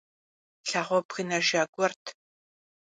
Лъагъуэ бгынэжа гуэрт.